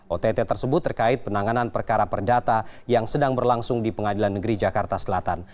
ott tersebut terkait penanganan perkara perdata yang sedang berlangsung di pengadilan negeri jakarta selatan